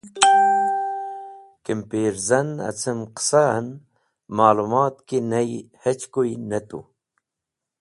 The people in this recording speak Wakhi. Kimpirzan acem qisa en malomat ki ney hechkuy ne tu.